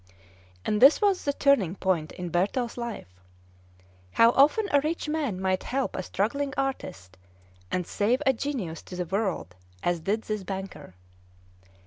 And this was the turning point in Bertel's life. How often a rich man might help a struggling artist, and save a genius to the world, as did this banker!